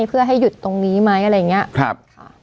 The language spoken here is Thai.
เพื่อให้หยุดตรงนี้ไหมอะไรอย่างนี้